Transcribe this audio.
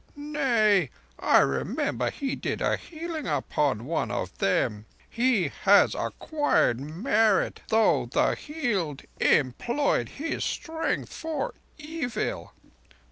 Nay, I remember he did a healing upon one of them. He has acquired merit, though the healed employed his strength for evil.